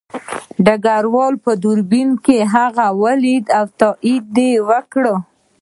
ډګروال په دوربین کې هغه ولید او تایید یې کړه